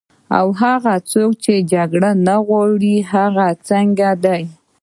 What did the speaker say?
او هغه څوک چې جګړه نه غواړي، هغه څنګه دي؟